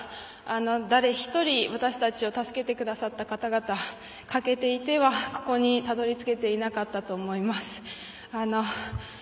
誰一人私たちを助けてくださった方々欠けていては、ここにたどり着けていなかったと思います。